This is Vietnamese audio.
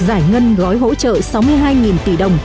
giải ngân gói hỗ trợ sáu mươi hai tỷ đồng